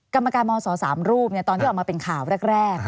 กรรมการมศ๓รูปตอนที่ออกมาเป็นข่าวแรก